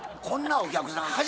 こんなお客さん